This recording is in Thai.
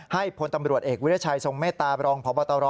ให้พลตำรวจเอกวิทยาชัยทรงเมตตาบพบต